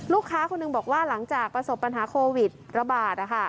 ลูกค้าคนหนึ่งบอกว่าหลังจากประสบปัญหาโควิดระบาด